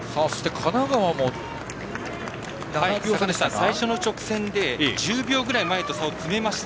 最初の直線で１０秒ぐらい前と差を詰めました。